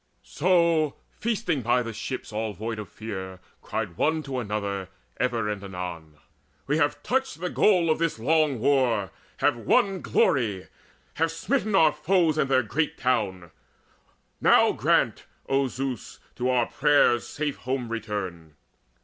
So, feasting by the ships all void of fear, Cried one to another ever and anon: "We have touched the goal of this long war, have won Glory, have smitten our foes and their great town! Now grant, O Zeus, to our prayers safe home return!"